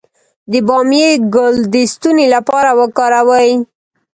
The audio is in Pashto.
د بامیې ګل د ستوني لپاره وکاروئ